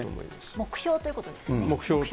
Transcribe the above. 目標ということですね。